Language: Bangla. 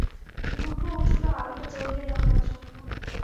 দুপোঁ উঠল আলোটা জ্বলিয়ে দেবার জন্যে।